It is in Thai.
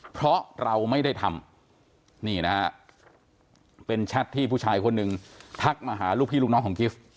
เพราะเราไม่ได้ทำนี่นะฮะเป็นแชทที่ผู้ชายคนหนึ่งทักมาหาลูกพี่ลูกน้องของกิฟต์